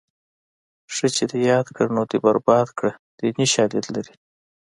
ښه چې دې یاد کړه نو دې برباد کړه دیني شالید لري